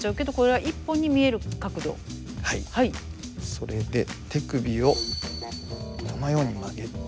それで手首をこのように曲げて。